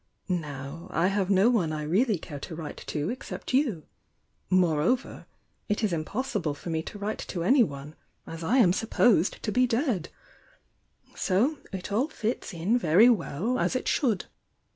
Now I have no one I reaUy care to write to except you; moreover, it is impossible for me to write to anyone, as I am sup posed to be dead! So it all fits in very well as it should.